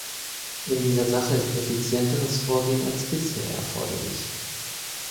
In dieser Sache ist effizienteres Vorgehen als bisher erforderlich.